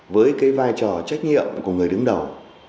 với vai trò trách nhiệm của người đứng đầu